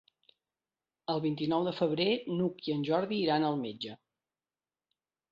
El vint-i-nou de febrer n'Hug i en Jordi iran al metge.